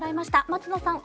松野さん